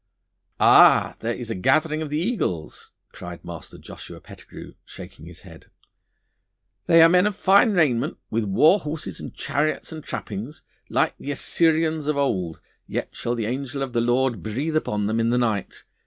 'Ah, there is a gathering of the eagles,' cried Master Joshua Pettigrue, shaking his head. 'They are men of fine raiment, with war horses and chariots and trappings, like the Assyrians of old, yet shall the angel of the Lord breathe upon them in the night.